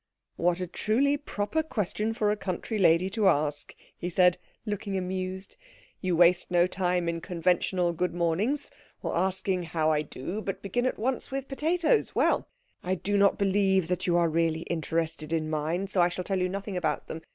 "What a truly proper question for a country lady to ask," he said, looking amused. "You waste no time in conventional good mornings or asking how I do, but begin at once with potatoes. Well, I do not believe that you are really interested in mine, so I shall tell you nothing about them.